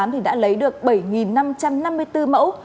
thì đã lấy được bảy năm trăm năm mươi bốn mẫu